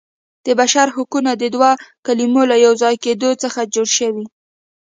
د بشر حقونه د دوو کلمو له یو ځای کیدو څخه جوړ شوي.